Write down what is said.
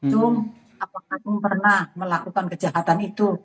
tung apakah aku pernah melakukan kejahatan itu